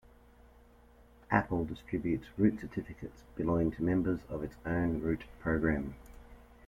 Apple distributes root certificates belonging to members of its own root program.